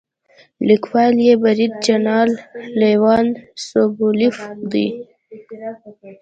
لیکوال یې برید جنرال لیونید سوبولیف دی.